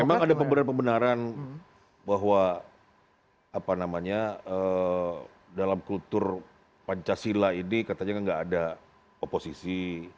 memang ada pemberan pembenaran bahwa dalam kultur pancasila ini katanya nggak ada oposisi